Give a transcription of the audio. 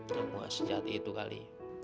kamu nggak sejati itu kali